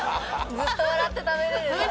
ずっと笑って食べられるんだ。